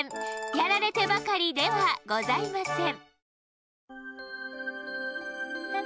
やられてばかりではございません。